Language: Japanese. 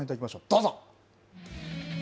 どうぞ。